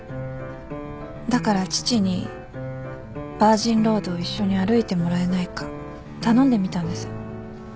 だから父にバージンロードを一緒に歩いてもらえないか頼んでみたんです。